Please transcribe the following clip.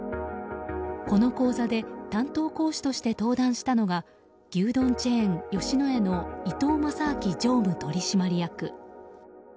この講座で担当講師として登壇したのが牛丼チェーン吉野家の伊東正明常務取締役。